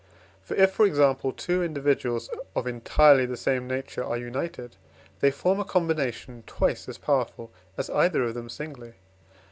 For if, for example, two individuals of entirely the same nature are united, they form a combination twice as powerful as either of them singly.